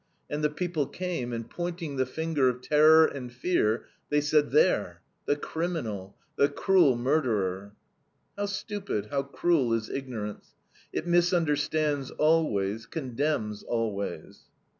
And the people came, and pointing the finger of terror and fear, they said: "There the criminal the cruel murderer." How stupid, how cruel is ignorance! It misunderstands always, condemns always.